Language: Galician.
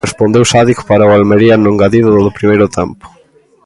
Respondeu Sadiq para o Almería, no engadido do primeiro tempo.